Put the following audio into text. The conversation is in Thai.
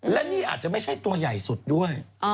และนี่อาจจะไม่ใช่ตัวใหญ่สุดด้วย